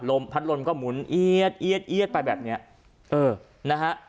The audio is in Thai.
พัดลมก็หมุนเอี๊ยดเอี๊ดเอี๊ยดไปแบบเนี้ยเออนะฮะ